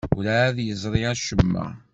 Werɛad yeẓri acemma.